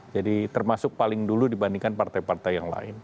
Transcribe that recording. jadi termasuk paling dulu dibandingkan partai partai yang lain